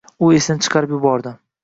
U esini chiqarib yubordi.